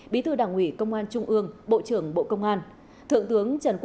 bí thư đảng ủy công an trung ương bộ trưởng bộ công an